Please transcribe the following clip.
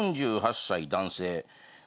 ４８歳男性。